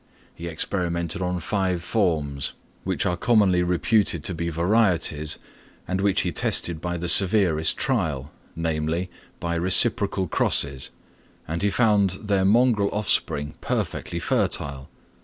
He experimented on five forms which are commonly reputed to be varieties, and which he tested by the severest trial, namely, by reciprocal crosses, and he found their mongrel offspring perfectly fertile.